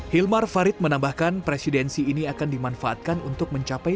hilmar farid menambahkan presidensi ini akan dimanfaatkan untuk mencapai